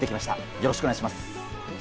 よろしくお願いします。